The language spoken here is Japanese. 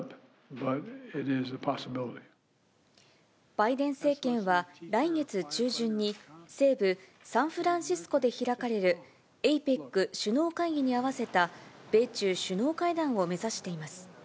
バイデン政権は来月中旬に、西部サンフランシスコで開かれるＡＰＥＣ首脳会議に合わせた米中首脳会談を目指しています。